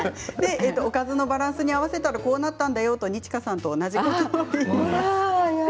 おかずのバランスに合わせたらこうなったんだよと二千翔さんと同じことを言います。